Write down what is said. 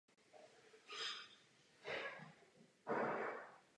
V čele generální rady stojí její prezident.